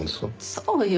そうよ。